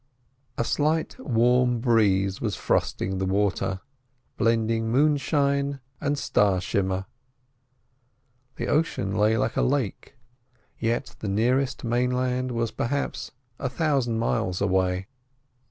A slight warm breeze was frosting the water, blending moonshine and star shimmer; the ocean lay like a lake, yet the nearest mainland was perhaps a thousand miles away.